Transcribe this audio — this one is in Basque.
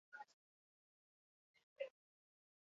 Historikoki, hainbat gatazkaren lekuko izan dira mendeetan zehar.